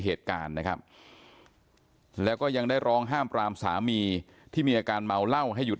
เหตุการณ์นะครับแล้วก็ยังได้ร้องห้ามปรามสามีที่มีอาการเมาเหล้าให้หยุด